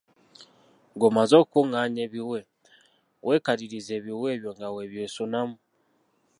Ng’omaze okukungaanya ebiwe, weekalirize ebiwe ebyo nga bwe byesonamu.